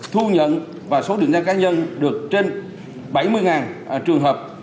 thu nhận và số định danh cá nhân được trên bảy mươi trường hợp